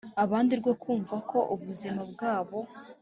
abandi rwo kumva ko ubuzima bwabo